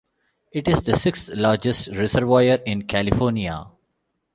It is the sixth-largest reservoir in California.